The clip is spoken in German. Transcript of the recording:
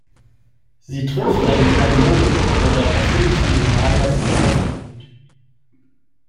Sie trifft einen kleinen Jungen, der daraufhin von den Mayas erschossen wird.